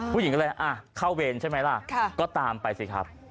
ผู้หญิงก็เลยเข้าเวรใช่ไหมล่ะก็ตามไปสิครับ